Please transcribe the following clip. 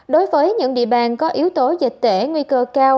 đối với những địa bàn có yếu tố dịch tễ nguy cơ cao